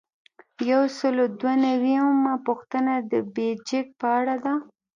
یو سل او دوه نوي یمه پوښتنه د بیجک په اړه ده.